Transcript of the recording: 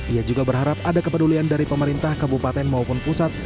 ia juga berharap ada kepedulian dari pemerintah kabupaten maupun pusat